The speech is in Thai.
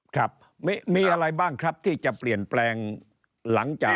ครับมีอะไรบ้างครับที่จะเปลี่ยนแปลงหลังจาก